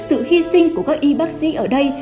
khi sinh của các y bác sĩ ở đây